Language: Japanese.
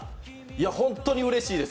本当にうれしいです。